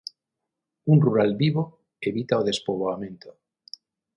Un rural vivo evita o despoboamento.